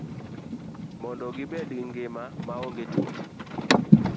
Mondo gibed gi ngima maonge tuoche.